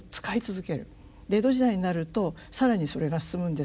江戸時代になると更にそれが進むんですが。